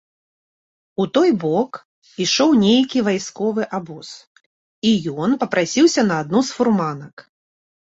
У той бок ішоў нейкі вайсковы абоз, і ён папрасіўся на адну з фурманак.